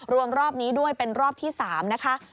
รวมรอบนี้ด้วยเป็นรอบที่๓นะคะ